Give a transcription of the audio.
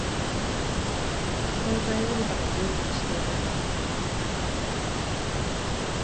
そうざい売り場が充実している